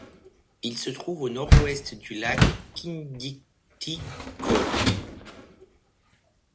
Il se trouve au nord-ouest du lac Khindiktig-Khol.